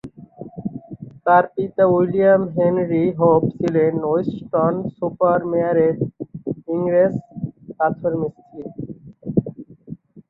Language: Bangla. তার পিতা উইলিয়াম হেনরি হোপ ছিলেন ওয়েস্টন-সুপার-মেয়ারের ইংরেজ পাথরমিস্ত্রী।